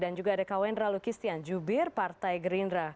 dan juga ada kawendra lukistian jubir partai gerindra